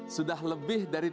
sudah lebih dari